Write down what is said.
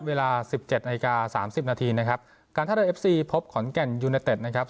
เวลาสิบเจ็ดนาฬิกาสามสิบนาทีนะครับการท่าเรือเอฟซีพบขอนแก่นยูเนเต็ดนะครับ